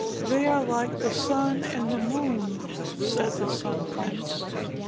"They are like the Sun and the Moon," said the Sun Prince.